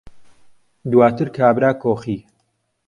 دواتر کابرا کۆخی